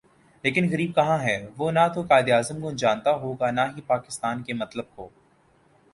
لیکن غریب کہاں ہے وہ نہ توقائد اعظم کو جانتا ہوگا نا ہی پاکستان کے مطلب کو